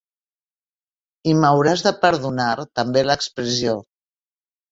I m'hauràs de perdonar també l'expressió.